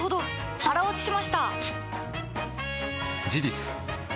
腹落ちしました！